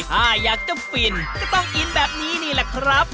ถ้าอยากจะฟินก็ต้องอินแบบนี้นี่แหละครับ